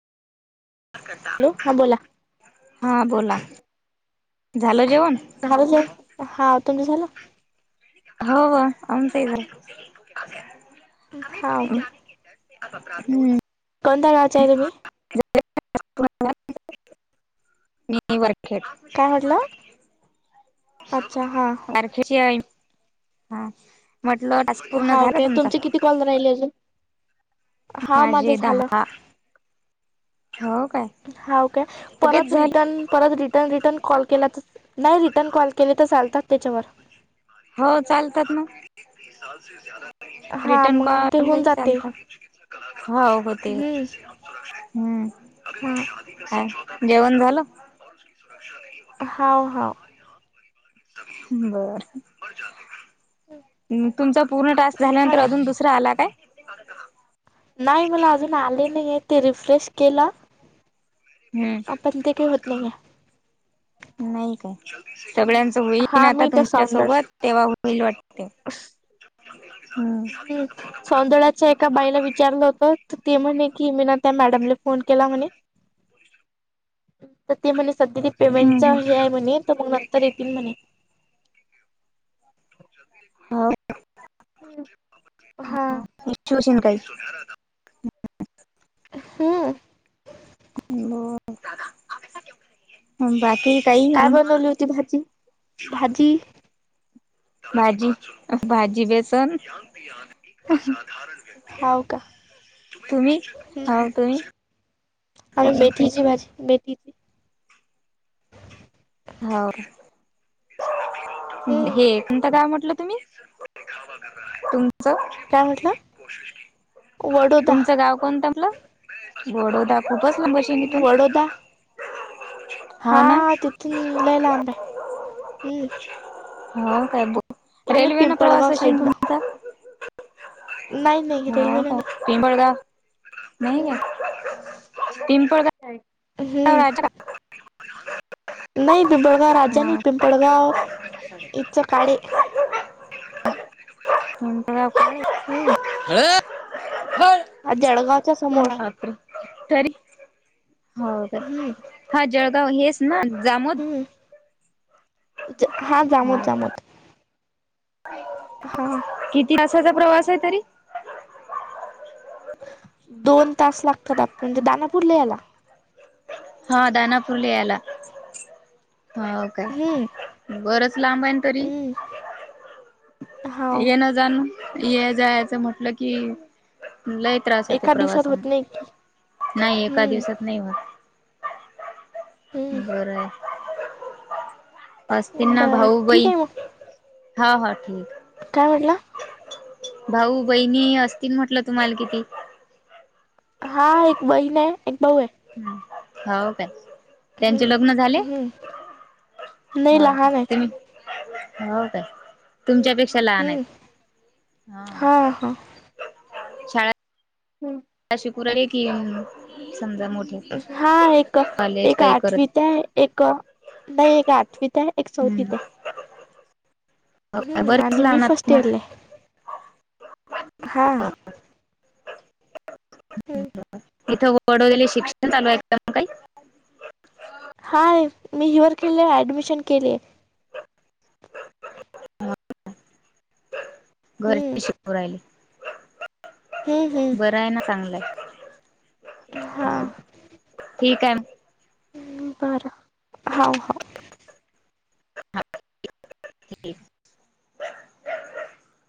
कसा. हॅलो, हां बोला हां बोला, झालं जेवण झालं जेवण, हा तुमचं झालं. हो होआमचही झालं.. हा हं ओके कोणतं गार्ड [unintelligible] मुझे क्यु मार काय रहे म्हटलं है, आणखी अच्छा हा काय मग, हा म्हटलं आज हा ओके तुमचे किती कॉल राहीले अजून हा माझं माझे झालं! दहा हो काय हा ओके लगेच परत झाले रिटर्न परत रिटर्न रिटर्न कॉल केला नाही रिटर्न कॉल केले तर चालतात त्यांच्यावर हो चालतात ना? हा रिटर्न मग ते कॉल होऊन जाते चालतात हो होतंय हम्म हम्म! हा जेवण झाल? हाव हाव! बरंहह! तुमचा पूर्ण टास्क झाल्यानंतर सांगा अजून दुसरा आला काय? नाही मला अजून आले नाहीयेतं आहे ते रिफ्रेश केला हम्म! होत नाही नाही काय? आहे सगळ्यांच होईल की, हा ना आता मी त्या साऊंड तुमच्यासोबत. तेव्हा होईल वाटतंय? हम्म! हम्! सौंदळ्याच्या एका बाईला विचारलं होत ती म्हणजे कि मीना त्या मॅडमला फोन केला म्हणे तर ते म्हणे सध्या ते हम्म पेमेंटच हम्म हे आहे म्हणे तर मग नंतर येतील म्हणे? हो! हम [unintelligible] [unintelligible] काही हाम्म! [inaudible] [unintelligible] काय अजून बनवली होती भाजी? भाजी भाजी भाजी बेसन अहं! हाव का [unintelligible] तुम्ही, हो ओ तुम्ही? अर मेथीची भाजी. मेथीची होओ! हम्म हे कोणता गाव म्हटलं तुम्ही? तुमचं? काय म्हटलं [unintelligible] [inaudible] वडोदा तुमचं गाव कोणतं म्हटलं? [inaudible] [unintelligible] बडोदा खूपच लबशीन इथून वडोदा हाव ना? हम्म लंय लांब आहे हम्म! [inaudible] [unintelligible] हो काय बो? या इकडे रेल्वे न प्रवास पिंपळगाव असेल साईड न तुमचा? नाही नाही हा रेल्वेने का नाही फि भरा नाही का हम्म पिंपळ गावं पर द [inaudible] [unintelligible] हम्म अ राजा! नाही पिंबळगाव राजा नाही हा पिंबळगाव इचं काळे. का [unintelligible] [inaudible] [unintelligible] हय [unintelligible] आ जळगावच्या समोर! तरी हो का? हम्म हा जळगाव हेच ना जामु हम्! [unintelligible] [inaudible] [unintelligible] हा हा किती तासाचा प्रवास आहे तरी? दोन तास लागतात आपण म्हणजे दानापूरला यायला? हा दानापुरला यायला हो काय? हम्म बरंच लांब आहे ना तरी. हम्म हाव ये न जाण ये जायचं म्हटलं की, लाई? त्रास होते एका दिवसात प्रवासान होत नाही की नाही एका हम्म दिवसात नाही होत, हम्म बरं आहे. असतील ना बरं भाऊ ठीक बहिण? आहे मग हां हां ठीक काय म्हणला? भाऊ बहिणी असतील म्हटलं तुम्हाला किती? हां एक बहीण आहे एक भाऊ आहे. हाव काय! त्यांचे लग्न झाले? हम्म हम्म नाही हाव काय! लहान आहेत तेनी होव काय! तुमच्यापेक्षा लहान हम्म आहेत हां. हा हा हम्म. अशी कुरळी की समजा मोठ हां एक, एक करत आठवीत आहे एक नाही एक आठवीत आहे एक चौथीत आहे. हम्म बरीच आणि मी लहान आहात फर्स्ट मग. इयरला आहे हा [unintelligible] इथं वडवलेले शिक्षण चालू ये का काही? हाय मी हिवरकिले ऍडमिशन केलीये. हां. हम्म घरीच शिकु राहिले, हम्म बर आहे ना चांगलय. हम्म हा हां ठीक आहे. बरं! हाव हाव. [inaudible] [unintelligible]